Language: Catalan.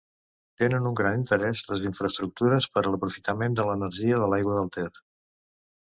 Tenen un gran interès les infraestructures per a l'aprofitament de l'energia de l'aigua del Ter.